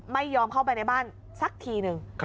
ไม่ยอมเข้าไปในบ้านสักทีหนึ่ง